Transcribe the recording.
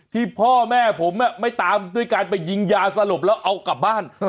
ที่พ่อแม่ผมไม่ตามด้วยการไปยิงยาสลบแล้วเอากลับบ้าน